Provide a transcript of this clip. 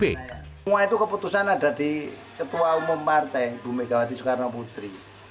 semua itu keputusan ada di ketua umum partai bu megawati soekarno putri